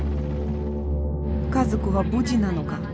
家族は無事なのか。